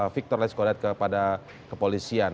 victor leskodat kepada kepolisian